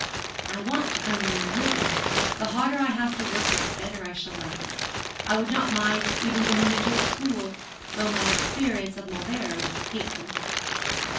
'I want to earn my own living. The harder I have to work the better I shall like it. I would not mind even going into a school, though my experience of Mauleverer is hateful.'